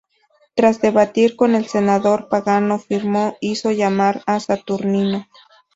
Tras debatir con el senador pagano Firmo, hizo llamar a Saturnino.